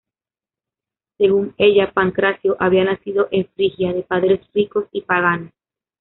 Según ella, Pancracio había nacido en Frigia, de padres ricos y paganos.